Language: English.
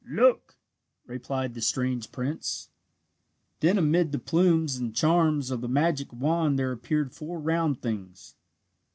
"Look!" replied the strange prince. Then amid the plumes and charms of the magic wand there appeared four round things.